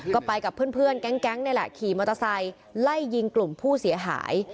ก็ไปกับเพื่อนแก๊งนี่แหละขี่มอเตอร์ไซค์ไล่ยิงกลุ่มผู้เสียหาย